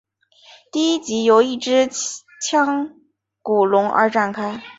第一集由一只腔骨龙而展开。